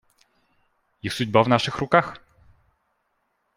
Их судьба в наших руках.